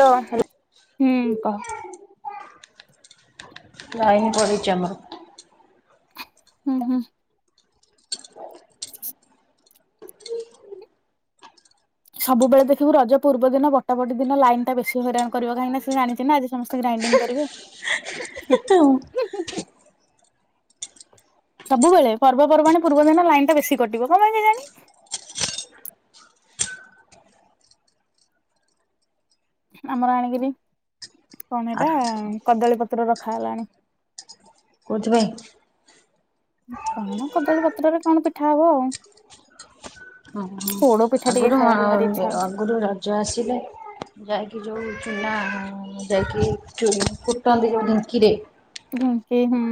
ଲୋ ହୁମ୍ କହ। ଲାଇନ୍ ପଳେଇଚି ଆମର । ହୁଁ ହୁଁ । ସବୁବେଳେ ଦେଖିବୁ ରଜ ପୂର୍ବ ଦିନ ବଟାବଟି ଦିନ ଲାଇନ ଟା ବେଶୀ ହଇରାଣ କରିବ କାହିଁକି ନା ସେ ଜାଣିଛି ନା ଆଜି ସମସ୍ତେ ଗ୍ରାଇଣ୍ଡିଙ୍ଗ କରିବେ । ସବୁବେଳେ ପର୍ବପର୍ବାଣି ପୂର୍ବ ଦିନ ଲାଇନ ଟା ବେଶୀ କଟିବ । କଣ ପାଇଁ କେଜାଣି? ଆମର ଆଣିକିରି କଣ ଏଇଟା ଆଚ୍ଛା କଦଳୀ ପତ୍ର ରଖା ହେଲାଣି । କଉଥିପାଇଁ? କଣ କଦଳୀପତ୍ରରେ କଣ ପିଠା ହବ ଆଉ । ହଁ ହଁ ଆଗରୁ ଭାରି ଇଚ୍ଛା ହଉଛି। ଆଗରୁ ରଜ ଆସିଲେ ଯାଇକି ଯୋଉ ଚୁନା ଯାଇକି ଚୁନ୍ କୁଟନ୍ତି ଯୋଉ ଢିଙ୍କି ରେ ଢିଙ୍କି ହୁଁ।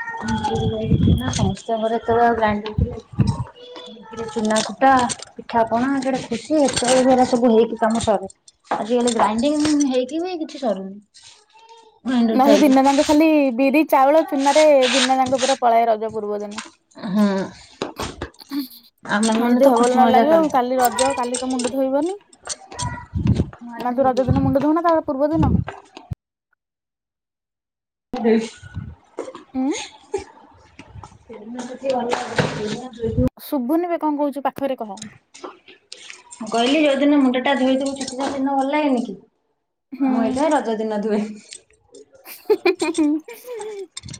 ସମସ୍ତିଙ୍କ ଘରେ ସେତେବେଳେ ଆଉ ଗ୍ରାଇଣ୍ଡିଙ୍ଗ ଥିଲା କି ଚୁନା କୁଟା ପିଠା ପଣା ଯୋଉ ଖୁସି ସେଇ ସବୁ ହେଇକି କାମ ସରେ ଆଜି କାଲି ଗ୍ରାଇଣ୍ଡିଙ୍ଗ ହେଇକି ବି କିଛି ସରୁନି। ଗ୍ରାଇଣ୍ଡର ନହେଲେ ଥାଇକି। ଦିନଦାଙ୍କ ଖାଲି ବିରି ଚାଉଳ ଚୁନାରେ ଦିନଯାଙ୍କ ପୁରା ପଳାଏ ରଜ ପୂର୍ବଦିନ ହଁ ଆମେ । ମାନେ ଆଜି ତ ଖୁସି [unintelligible] ମଜା ଲାଗିବ କଲେ। ଆଉ କାଲି ରଜ କାଲି କଣ ମୁଣ୍ଡ ଧୋ ଧୋଇବନି ମୁଁ । ଆଜି ନା ତୁ ଦେବି ରଜ ଦିନ ମୁଣ୍ଡ ଧୋଉନା ତା ବା ପୂର୍ବଦିନ । ଦେଇଛି। ଉମ୍ [unintelligible] ଶୁଭୁନି ବେ କଣ କହୁଛୁ ପାଖରେ କହ । ମୁଁ କହିଲି ଯୋଉଦିନ ମୁଣ୍ଡଟା ଧୋଇଥବୁ ଚୁଟିଟା ସେଇଦିନ ଭଲ ଲାଗେନି କି ହୁଁ। ମୁ ହେଇଥିପାଇଁ ରଜ ଦିନ ଧୁଏେ ।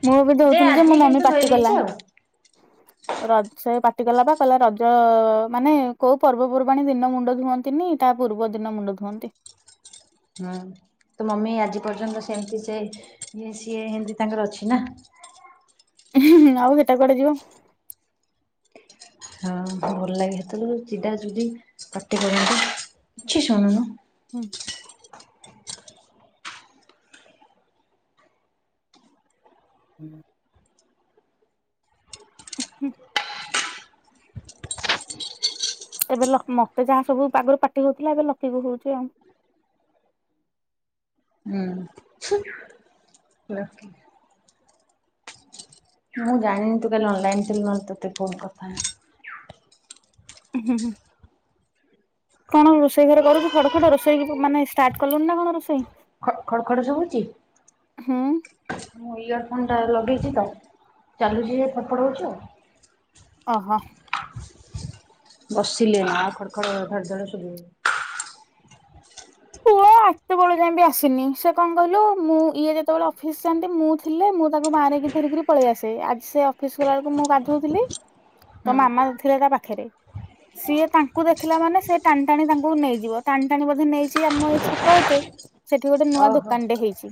ମୁଁ ବି ଧୋଉଥିଲି ଯେ ଆଜି ମୋ ମମି କିନ୍ତୁ ଧୋଇ ପାଟିଗଲା ଦେଇଛି ଆଉ। ରଜରେ ପା ଟି କଲା ପା କହିଲା ରଜ ମାନେ କୋଉ ପର୍ବପର୍ବାଣୀ ଦିନ ମୁଣ୍ଡ ଧୁଅନ୍ତିନି ତା ପୂର୍ବ ଦିନ ମୁଣ୍ଡ ଧୁଅନ୍ତି । ହଁ ତ ମମି ଆଜି ପର୍ଯ୍ୟନ୍ତ ସେମିତି ସେ ସିଏ ଏମିତି ତାଙ୍କର ଅଛି ନା । ଆଉ ହେଟା କୁଆଡେ ଯିବ । ହଁ ଭଲ ଲାଗେ [unintelligible] କରନ୍ତି କିଛି ଶୁଣୁନୁ ହୁଁ ହୁଁ ଏବେ ଲକ୍ ମତେ ଯାହା ସବୁ ଆଗରୁ ପାଟି ହଉଥିଲା ଏବେ ଲକିକୁ କଉଛି ଆଉ । ହୁଁ। ମୁଁ ଜାଣିନି ତୁ କାଲି ଅନ୍ଲାଇନ୍ ଥିଲୁ ନହେଲେ ତତେ ଫୋନ୍ କରଥାଆନ୍ତି । ହୁଁ ହୁଁ କଣ ରୋଷେଇ ଘରେ କରୁଛୁ ଖଡଖଡ ରୋଷେଇ ମାନେ ଷ୍ଟାର୍ଟ କଲୁଣି ନା କଣ ରୋଷେଇ । ଖ ଖଡ ଖଡ ସବୁଛି ହୁଁ ମୁଁ ଇୟର ଫୋନ ଟା ଲଗେଇ ଚାଲୁଛି ଫଫଟଉଛି ଆଉ ଓହୋ ବସିଲେ ନା ଖଡ଼ ଖଡ଼ ଖଡ଼ ଧଡ ଶବୁ ପୁଳ ଆତେ ବେଳୁ ଯାଇି ଆସିନି ସେ କଣ କହିଲୁ ମୁଁ ଇଏ ଯେତେବେଳେ ଅଫିସ ଯାଆନ୍ତି ମୁଁ ଥିଲେ ମୁଁ ତାକୁ ବାହାରିକି ଧରିକିରି ପଳେଇ ଆସେ ଆଜି ସେ ଅଫିସ ଗଲା ବେଳକୁ ମୁଁ ଗାଧଉଥିଲି ତୋ ହୁଁ। ମାମା ଥିଲେ ତା ପାଖରେ ସିଏ ତାଙ୍କୁ ଦେଖିଲା ମାନେ ସେ ଟାଣି ଟାଣି ତାଙ୍କୁ ନେଇଯିବ ଟାଣି ଟାଣି ବେ ନେଇ ଆମ ଏଇ ଛକ ଏତେ ସେଠି ଗୋଟେ ନୂଆ ଓହୋ ଦୋକାନଟେ ହେଇଛି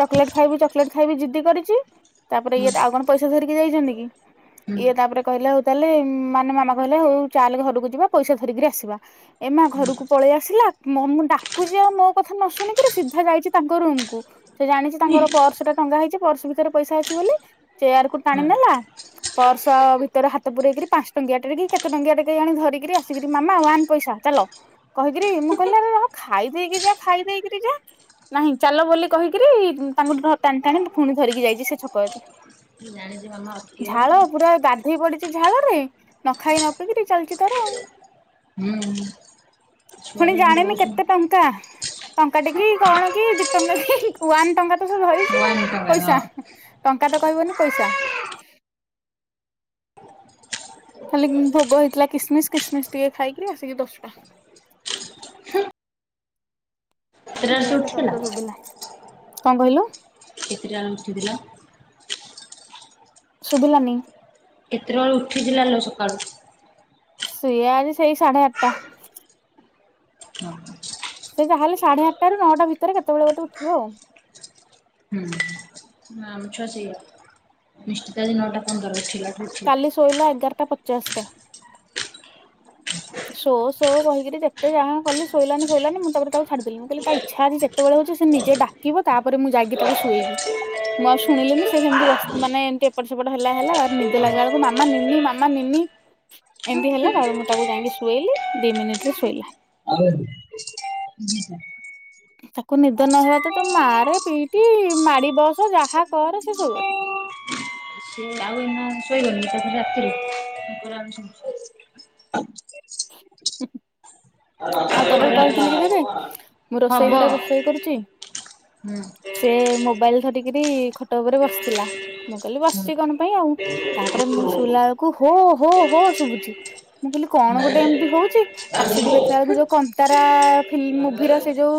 ଚକୋଲେଟ ଖାଇବି ଚୋଲେଟ ଖାଇବି ଜିଦ୍ଦି କରିଛି ତାପରେ ହୁଁ ଇଏ ଆଉ କଣ ପଇସା ଧରିକି ଯାଇଛନ୍ତି କି ହୁଁ ଇଏ ତାପରେ କହିଲା ହଉ ତାହେଲେ ମାନେ ମାମା କହିଲା ହଉ ଚାଲେ ଘରକୁ ଯିବା ପଇସା ଧରିକିରି ଆସିବା ଏ ମା ଘରକୁ ପଳେଇ ଆସିଲା ମୁଁା ମୋ କଥା ନ ଶୁଣିକିରି ସିଧା ଯାଇଛି ତାଙ୍କ ରୁମ କୁ ସେ ଜାଣିଛି ତାଙ୍କର ପର୍ସ ଟା ଟଙ୍କା ହେଇଛି ପର୍ସ ଭିତରେ ପଇସା ଅଛି ବୋଲି ଚେୟାର କୁ ହୁଁ। ଟାଣିନେଲା ପର୍ସ ଭିତରେ ହାତ ପୂୁରାଇକରି ପାଞ୍ଚ ଟଙ୍କିଆ ଟେ କେତେ ଟଙ୍କିଆ ଟେଣି ଧରିକରି ଆସିକରି ମାମା ୱାନ୍ ପଇସା ଚାଲ କହିକିରି ମୁଁ କହିଲା ର ଖାଇ ଦେଇେଇକି ଯା ଖାଇ ଦେଇେଇକିରି ଯା ନହିଁ ଚାଲ ବୋଲି କହିକରି ତାଙ୍କୁ ଟାଣି ଟାଣି ପୁଣି ଧରିକି ଯାଇଛି ସେ ଛକ ଏତ ଜାଣିଛି ମାମା ଅଟକେଇଦବ। ଝାଳ ପୁରା ବା ହେଇ ପଡିଛି ଝାଳରେ ନ ଖାଇ ନ ପିକିରି ଚାଲିଛି ତାର ଆଉ ହୁଁ ପୁଣି ଛୁଆରା ଯେମିତି ଜାଣିନି କେତେ ଏତେ ହଉଛନ୍ତି ଟଙ୍କା ଟଙ୍କା ଟ କି କଣ କି ଦି ଟଙ୍କା କି ନ୍ ଟଙ୍କା ତ ସେ ଧରିଛି ଆଉ ୱାନ ଟଙ୍କା ପଇସା ହଁ। ଟଙ୍କା ତ କହିବନି ପଇସା ଖଲି ଭୋଗ ହେଇଥିଲା କିସମିସ କିସମିସ ଟିକେ ଖାଇକରି ଆସିକି ଦଶଟା କେତେଟାରେ ବ ସେ ତ ଉଠିଥିଲା? ସବଦ ସୁଭିିଲ କଣ କହିଲୁ କେତେଟା ଆରମ୍ ଥିଲା ଶୁଭିଲାନି କେତେବେଳେ ଉଠିଥିଲାିଲ ସକାଳୁ ଶଏ ଆଜି ସେଇ ସାଢେ ଆଠଟା ହଁ ସେ ତାହେଲେ ସାଢେ ଆଠଟାାରୁ ନଅଟା ଭିତରେ କେତେବେଳେ ଗୋଟେ ଉଠିବ ଆଉ କାମଛଅ ସେଇ ନିଶ୍ଚିତ ଆଜି ନଅଟା ପନ୍ଦର ଅ ଥିଲା କାଲି ଶୋଇଲା ଏଗାରଟା ପ ଚାଷରେ ସୋ ସୋ କହିକିରି ଯେତେ ଯାହା କଲି ଶୋଇଲାନି ଶୋଇଲାନି ମୁଁ ତାପରେ ତାକୁ ଛାଡିଦେଲି ମୁଁ କହିଲି ତା ଇଚଛା ଆଛି ଯେତେବେଳେ ହଉଛି ସେ ନିଜେ ଡାକିବ ତାପରେ ମୁଁ ଯାଇକି ତାକୁ ଶୋଇବି ମୁଁ ଆଉ ଶୁଣିଲିନି ସେମିତି ମାନେ ଏମିତି ଏପଟ ସେପଟ ହେଲା ହେଲା ତ ନିଦ ଲାଗିଲା ବେଳକୁ ମାମା ନିିନି ମା ନିନି ଏମିତି ହେଲା ତା ମୁଁ ତାକୁ ଯାଇକି ଶୋଇଲି ଦି ମିନିଟରେ ଶୋଇଲା ତାକୁ ନିଦ ନହବା ତ ତ ମାାରେ ପିଟିି ମାଡି ବସ ଯାହା କରେ ସେ ସବୁନ ସିଏ ଆଉ ଏଇନା ଶୋଇବନି ତାପରେ ରାତିରେ [inaudible] ହୁଁ। ଆଉ ତଟ କହୁଥିଲେି କି କେବେ? ମୁଁ ହବ ରୋଷେଇ ଘରେ ରୋଷେଇ କରୁଛି। ସେ ମୋବାଇଲ ଧରିକିରି ଖଟ ଉପରେ ବସିଥିଲା ମୁଁ କହିଲି ବସିଛି କଣ ପାଇଁ ଆଉ ତାପରେ ମୁଁ ଶୋଇଲା ବେଳକୁ ହୋ ହୋ ହୋ ଶୁଭୁଛି ମୁଁ କହିଲି କଣ ଗୋଟେ ହୁଁ ଏମିତି ହଉଛି ଆସିକି ଦେଖ ହୁଁ। ସେଳକୁ ଯୋଉ କନ୍ତାରା ଫିଲ୍ ମୁଭିର ଓହୋ ସେ ଯୋଉ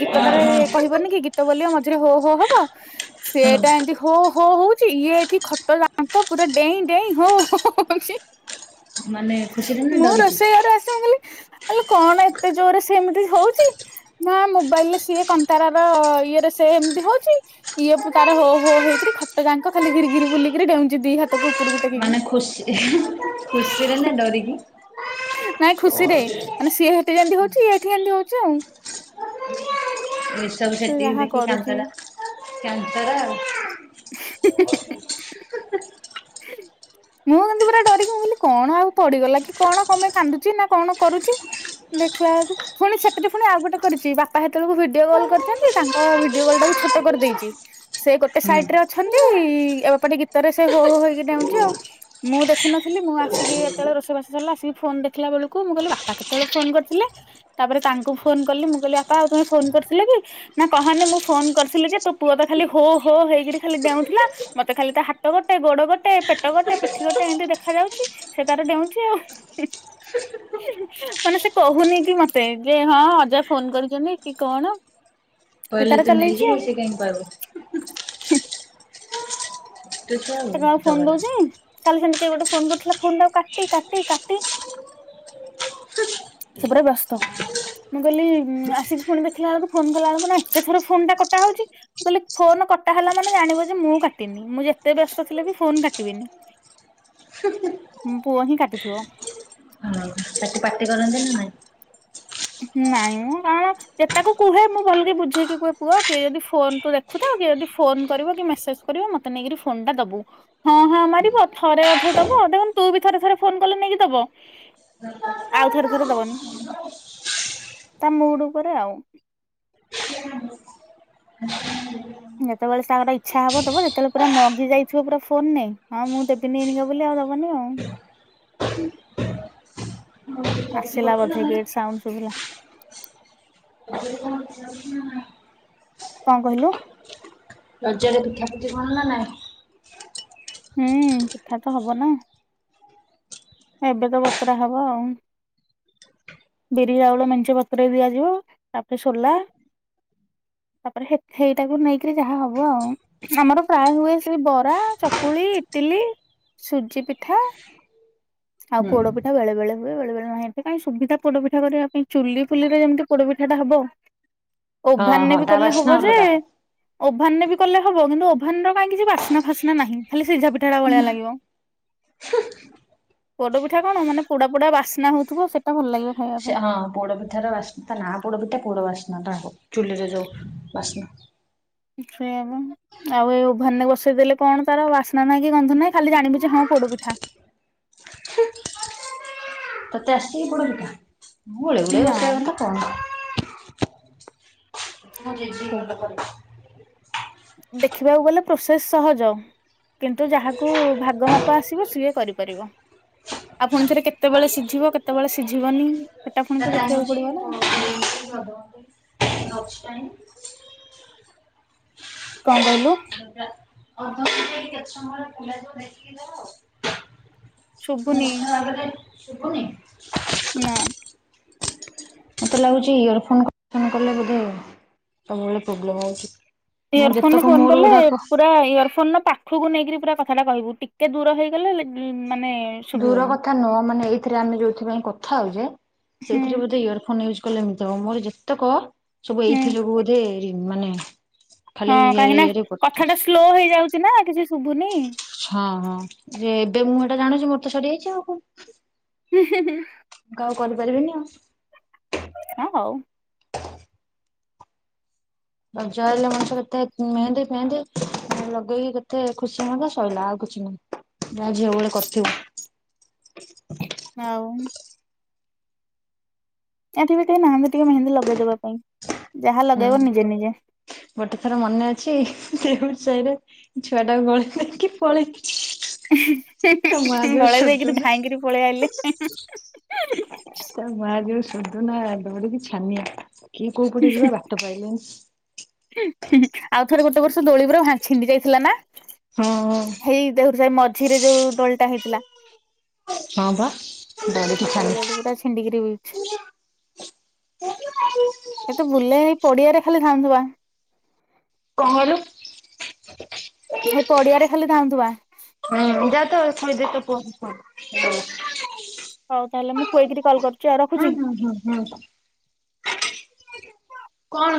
ଗୀତଟାରେ କହିବନି କି ଗୀତ ବୋଲିବ ମଝିରେ ହୋ ହୋ ହବ ସେଟା ହଁ ଏମିତି ହୋ ହୋ ହଉଛି ଇଏ ଏଠି ଖଟ ଯାଙ୍କ ପୁରା ଡେଇଁ ଡେଇଁ ହୋ ହ ହଉଛି। ମାନେ ଖୁସିରେ ନା ମୁଁ ଡରିକି ରୋଷେଇ ଘରେ ଆସି ମୁଁ କହିଲି ଆହଲେ କଣ ଏତେ ଜୋରରେ ସେ ଏମିତି ହଉଛି ମା ମୋବାଇଲ ରେ ସିଏ କନ୍ତାର ର ଇଏରେ ସେ ଏମିତି ହଉଛି ଇଏ ତାର ହୋ ହୋ ହେଇକରି ଖଟ ଯାଙ୍କ ଖାଲି ଘିରି ଗିରି ବୁଲିକିରି ଡେଉଛି ଦି ହାତକୁ ଉପରକୁ ଟେକିକି ଡ଼ରି କି। ନାଇଁ ଖୁସିରେ ମାନେ ସିଏ ସେଠି ଯେମିତି ହଉଛି ଏଠି ଯେମତି ହଉଛି ଆଉ। ଏ ସବୁ ସେ ସେଠି ଯାହା ଦେଖିକି କରୁଛି। କାନ୍ତରା କେନ୍ତର। [inaudible] ମୁଁ କିନ୍ତୁ ପୁରା ଡରିକି ମୁଁ କହିଲି କଣ ଆଉ ପଡିଗଲା କି କଣ ତମେ କାନ୍ଦୁଛି ନା କଣ କରୁଛି ଦେଖିଲା ବେଳକୁ ପୁଣି ସେଠରେ ପୁଣି ଆଉ ଗୋଟେ କରିଛି ବାପା ସେତେବେଳକୁ ଭିଡିଓ କଲ କରିଛନ୍ତି ତାଙ୍କ ଭିଡିଓ କଲ ଟାକୁ ଛୋଟ କରିଦେଇଛି ସେ ଗୋଟେ ହୁଁ ସାଇଟ ରେ ଅଛନ୍ତି ଏବେପଟେ ଗୀତରେ ସେ ହୋ ହୋ ହେଇକି ଡାଉଛି ଆଉ। ମୁଁ ଦେଖିନଥିଲି ମୁଁ ଆସିକି ଯେତେବେଳେ ରୋଷେଇବାସ ସରିଲା ଆସିକି ଫୋନ ଦେଖିଲା ବେଳକୁ ମୁଁ କହିଲି ବାପା କେତେବେଳେ ଫୋନ କରିଥିଲେ ତାପରେ ତାଙ୍କୁ ଫୋନ କଲି ମୁଁ କହିଲି ବାପା ଆଉ ତମେ ଫୋନ କରିଥିଲେ କି ନା କହନି ମୁଁ ଫୋନ କରିଥିଲି ଯେ ତୋ ପୁଅ ତ ଖାଲି ହୋ ହୋ ହେଇକରି ଖାଲି ଦେଡଉଥିଲା ମତେ ଖାଲି ତା ହାତ ଗୋଟେ ଗୋଡ ଗଟେ ପ ପଟ ଗୋଟେ ପିଠି ଗୋଟେ ଏମତି ଦେଖ ଯାଉଛି ସେ ତାର ଡେଉଛି ଆଉ ମାନେ ସେ କହୁନି କି ମତେ ଯେ ହଁ ଅଜା ଫୋନ କରିଛନ୍ତି କି କଣ? ସେ କହିଲେ ତାର ତୁ ନେଇଯିବୁ ବ ସେ କାହିଁ କହିବ? ହ୍ମୁ। ହଁ ତାକୁ ଆଉ ଫୋନ ଦଉଛି ଖାଲି ସେମିତି ଗୋଟେ ଫୋନ କରିଥିଲା ଫୋାା କା କାଟି ସେପଟା ବ୍ୟସ୍ତ ମୁଁ କହିଲି ଆସିକି ପୁଣି ଦେଖିଲା ବେଳକୁ ଫୋନ କଲା ବେଳକୁ ନା ଏତେ ଥର ଫୋନ ଟା କଟା ହଉଛି ମୁଁ କହିଲି ଫୋନ କଟା ହେଲା ମାନେ ଜାଣିବ ଯେ ମୁଁ କାଟିି ମୁଁ ଯେ ତେ ବ୍ୟସ୍ତ ଥିଲେ ବି ଫୋନ କାଟିବିନି ପୁଅ ହିଁ କାଟିଥିବ। ହଁ ତାକୁ ପାାର୍ଟି କରନ୍ତି ନା ନାଇଁ। ନାଇଁ ମୁଁ କଣ ଯେକୁ କୁହେ ମୁଁ ଭଲକ ବୁଝେଇକି କୁୁହ କି ଯଦ ଫୋୁ ଦେଖୁଥା କି ଯଦ ଫୋ କରିବ କି ମେସେଜ କରିବ ମତେ ନେଇକ ଫୋନା ଦବୁ ହଁ ହଁ ମାରିବ ଥରେ ଅଧ ଦବ ଦେଖନ୍ତୁ ତୁ ବି ଥରେ ଥରେ ଫୋନ କଲେ ନେଇକି ଦବ ଆଉ ଥରେ ଥରେ ଦବନି। ତା ମୁଡ ଉପରେ ଆଉ। ଯେତେବେଳେ ତାର ଇଛା ହବ ଦବ ସେତେବେଳେ ପୁରା ମଗି ଯାଇଥିବ ପୁରା ଫୋନ ନେଇ ହଁ ମୁଁ ତେବେ ନେଇନିକା ବୋଲି ଆଉ ଦବନି ଆଉ। ରଜରେ ପିଠା ଆସିଲା ପୁଠି କଣ ନା ବୋଧେ ନାଇଁ? ଗେଟ୍ ସାଉଣ୍ଡ ଶୁଭିଲା। କଣ କହିଲୁ? ରଜରେ ପିଠା ପିଠ ଭଲ ନା ନାଇଁ। ହୁଁ ପିଠା ତ ହବ ନା ଏବେ ତ ବତୁରା ହବ ଆଉ ବିରି ଚାଉଳ ମେଞ୍ଚ ପତର ଦିଆଯିବ ତାପରେ ସୋଲା ତାପରେ ସେଇଟାକୁ ନେଇକରି ଯାହା ହବ ଆଉ ଆମର ପ୍ରାୟ ହୁଏ ସେ ବରା ଚ ଚକୁଳି ଇଟିଲି ସୁଜି ପିଠା। ଆଉ ହୁଁ ପୋଡ ପିଠା ବେଳେ ବଳେ। ହୁ ବେଳେ ବଳେ ନାହିଁ ଏ କାଇଁ ସୁବିଧା ପୋଡପିଠା କରିବା ପାଇଁ ଚୁଲି ଫୁଲିରେଯେମତି ପୋପିଠାଟା ହବ। ହଁ ଓଭାନେ ହଁ ବି ତା କଲେ ହବ ବାସ୍ନା ଯେ ଅଲଗା। ଓଭାନରେ ବି କଲେ ହବ କିନ୍ତୁ ଓଭାନର କାଇଁ କିଛି ବାସ୍ନା ଫାସ୍ନା ନାହିଁ। ଖାଲି ସିଝା ପିଠାଟା ଭଳିଆ ଲାଗିବ ପୋଡ଼ପିଠା କଣ ମାନେ ପୋଡା ପୋଡା ବାସ୍ନା ହଉଥିବ ସେଇଟା ଭଲ ଲାଗିବ। ଖାଇବା ସେ ପାଇଁ ହଁ ପୋଡପିଠ ର ବାସ ତ ନା ପୋଡପିଠା ପୋଡ ବାସନା ହଉ। ଚୁଲିରେ ଯାଉ ବାସନା। ସେ ଆଉ ଏ ଓଭେନରେ ବସେଇ ଦେେଲେ କଣ ତାର ବାସ୍ନା ନାହିଁ କି ଗନ୍ଧ ନାହିଁ ଖାଲି ଜାଣିବୁ ଯେ ହଁ ପୋଡ ପିଠା ତତେ ଆସୁଚିକି ପୋଡପିଠା ମୁଁ ଗଳି ଗଳିଇ ନା ବସେଇବା ମ କଥା କଣ ମୁଁ ଜେଜିି ଭଲ କର ଦେଖିବାକୁ ଗଲେ ପ୍ରୋସେସ ସହଜ କିନ୍ତୁ ଯାହାକୁ ଭାଗ ମାପ ଆସିବ ସିଏ କରିପାରିବ ଆପଣ ଥରେ କେତେବେଳେ ସିଝିବ କେତେବେଳେ ସିଝିବନି ସେଟା ପୁଣି ତ ଦେଖିବାକୁ ପଡିବ ନା। [unintelligible] କଣ କହିଲୁ ଆଉ କେତେ ସମୟରେ [unintelligible] ଦେଖିକି ଯବ ଆଉ ଶୁଭୁନି [unintelligible] ଶୁଭୁନି ନା ମତେ ଲାଗୁଛି ଇୟର ଫୋନ କଲେ ବୋଧେ ସବୁବେଳେ ପ୍ରୋବ୍ଲେମ୍ ହଉଛି ମୁଁ ଇୟର ଫୋନରେ ଯେତେକ ଫୋନ ମୋର କଲେ ଗୁଡାକ ପୁରା ଇୟର ଫୋନ ପାଖକୁ ନେଇକରି ପୁରା କଥାଟା କହିବୁ ଟିକେ ଦୂର ହେଇଗଲା ଦୂର କଥା ନୁହଁ ମାନେ ଏଇଥିରେ ଆମେ ଯୋଉଥିପାଇ କ କଥା ହଉଛି ହୁଁ ସେଇଥିରେ ବୋଧେ ଇୟର ଫୋନ୍ ୟୁଜ କଲେମତି ମୋର ଯେତେକ ସବୁ ହୁଁ ଏଇଥିଥିଲାବୁ ବୋଧେ ମାନେ ଖାଲି ହଁ ଇଏରେ କାହିଁକି ନା ଇଏରେ କଥା କଟୁଛି। ଟା ସ୍ଲୋ ହେଇଯାଉଛି ନା କିଛି ସୁ ଶୁଭୁନି ହଁ ହଁ ଯେ ଏବେ ମୁଁ ଏଟା ଜାଣୁଛି ମୋର ତ ସରିଯାଇଛି ଆଉ କଣ ମ୍-ହଁ-ହଁ ଆଉ କରିପାରିବେନି ଆଉ ହଁ ହଉ ରଜ ହେଲଲେ ମଣିଷ କେତେ ମେହେନ୍ଦେ ଫେହେନ୍ଦି ଲଗେଇକି କେତେ ଖୁସି ମଜା ଶୋଇଲା ଆଉ କିଛି ନାହିଁ ଯାହା ଝିଅ ବେଳେ କରିଥିବ ଆଉ ଏଠି ବି କେହି ନାହାନ୍ତି ଟିକେ ମେନ୍ଦୀ ଲଗେଇଦବା ପାଇଁ ଯାହା ହୁଁ ଲଗେଇବ ନିଜେ ନିଜେ। ଗୋଟେ ଥର ମନେ ଅଛି ସେ ସାହିରେ ଛୁଆ ଟା ଗଳି କି ପଳେଇ ହ ତ ମା ଜଉ [unintelligible] ଆଇଲେ। ତ ମା ଜଉ ଶଧୁ ନା ଦୌଡିକି ଛାନିଆ କିଏ କୋଉ ପଟେ ଯିବା ବାଟ ପାଇଲେନି ଆଉ ଥରେ ଗୋଟେ ବର୍ଷ ଦୋଳି ପୁରା ଭା ଛିଣ୍ଡି ଯାଇଥିଲା ନା ହଁ। ହେଇ ଦେଖୁଛ ମଝିରେ ଯୋଉ ଦୋଳିଟା ହେଇ ଥିଲା ହଁ ବା ଦୌଡିକି ଛାନିଆ। ଉପପଳଦଲି ପୁରା ଛିିଣ୍ଡିଗିରି [unintelligible] ଏତେ ବୁଲେ ହେଇ ପଡିଆରେ ଖାଲି ଧାଉଁଥିବା, କଣ କହିଲୁ? ସେଇ ପଡିଆରେ ଖାଲି ଧାଉଁଥିବା, ହଁ ହ [inaudible] ହଉ ତାହେଲେ ମୁଁ ଖୁଆଇକରି କଲ କରୁଛି ଆଉ ହୁଁ ରଖୁଛି। ହୁଁ ହୁଁ ହୁଁ। କଣ